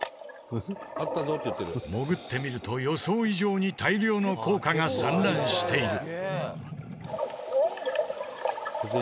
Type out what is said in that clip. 潜ってみると予想以上に大量の硬貨が散乱している。